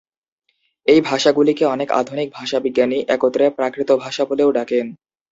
এই ভাষাগুলিকে অনেক আধুনিক ভাষাবিজ্ঞানী একত্রে প্রাকৃত ভাষা বলেও ডাকেন।